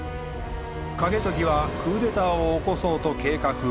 景時はクーデターを起こそうと計画。